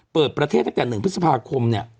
เปิดประเทศตั้งแต่๑พฤษภาคมเนี่ย